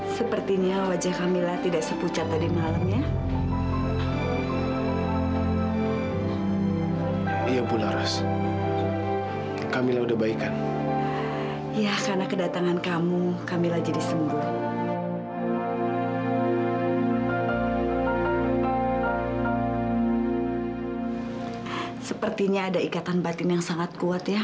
sepertinya ada ikatan batin yang sangat kuat ya